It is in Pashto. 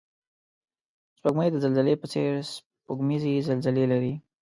سپوږمۍ د زلزلې په څېر سپوږمیزې زلزلې لري